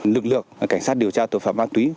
lực lượng cảnh sát điều tra tội phạm ma túy